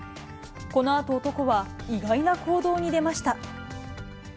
このあと男は意外な行動に出ました。